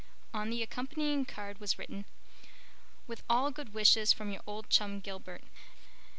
On the accompanying card was written, "With all good wishes from your old chum, Gilbert."